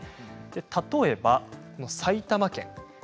例えば埼玉県です。